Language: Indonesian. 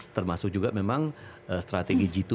termasuk juga memang strategi jitu